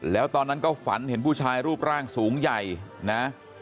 แล้วตอนนั้นก็ฝันเห็นผู้ชายรูปร่างสูงใหญ่นะ